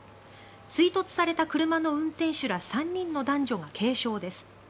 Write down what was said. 追突された車の運転手ら３人の男女が軽傷です。